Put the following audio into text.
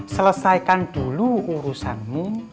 selesaikan dulu urusanmu